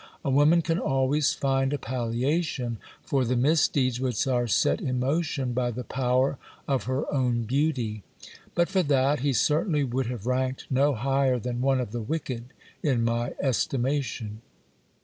A woman can always find a palliation for the misdeeds which are set in motion by the power of her own beauty. But for that, he certainly would have ranked no higher than one of the wicked in my estimation.